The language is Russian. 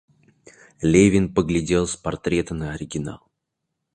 Левин поглядел с портрета на оригинал.